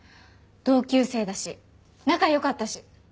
同級生だし仲良かったし。